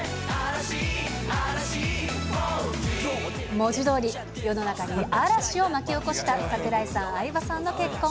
文字とおり、世の中に嵐を巻き起こした櫻井さん、相葉さんの結婚。